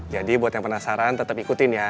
jadi buat yang penasaran tetep ikutin ya